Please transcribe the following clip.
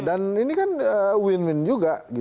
dan ini kan win win juga gitu